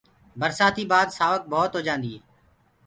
برسآتيٚ بآ سآوڪ ڀوت هوجآندي هي۔